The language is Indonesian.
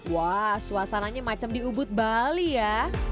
wah suasananya macam di ubud bali ya